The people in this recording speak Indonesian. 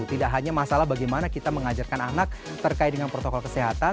tidak hanya masalah bagaimana kita mengajarkan anak terkait dengan protokol kesehatan